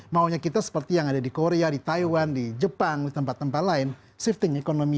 maunya kita seperti yang ada di korea di taiwan di jepang di tempat tempat lain shifting ekonomi